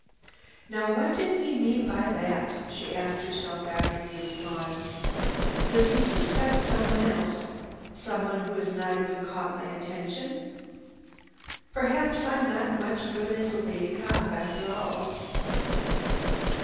"Now what did he mean by that?" she asked herself after he was gone. "Does he suspect someone else, someone who has not even caught my attention? Perhaps I'm not much good as a lady cop after all."